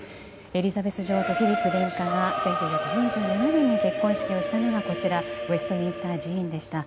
エリザベス女王とフィリップ殿下が１９４７年に結婚式をしたのがウェストミンスター寺院でした。